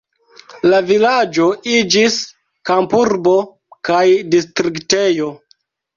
La vilaĝo iĝis kampurbo kaj distriktejo.